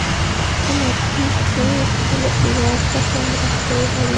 هغه مجبور شو چې له ایران څخه مرسته وغواړي.